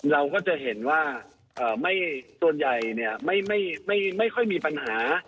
เราก็จะเห็นว่าส่วนใหญ่ไม่ค่อยมีปัญหา